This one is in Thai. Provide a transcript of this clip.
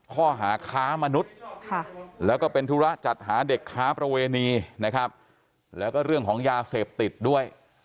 ข้อหาค้ามนุษย์แล้วก็เป็นธุระจัดหาเด็กค้าประเวณีนะครับแล้วก็เรื่องของยาเสพติดด้วย